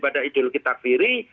pada ideologi takfiri